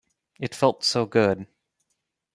It felt so good.